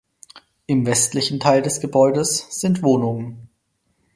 Im westlichen Teil des Gebäudes sind Wohnungen.